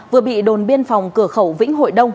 vừa bị đồn biên phòng cửa khẩu vĩnh hội đông